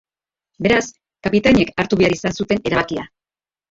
Beraz, kapitainek hartu behar izan zuten erabakia.